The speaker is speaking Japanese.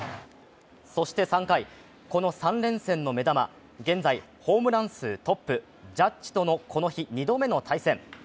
そして３回、この３連戦の目玉、ホームランダービートップのジャッジとのこの日、二度目の対戦。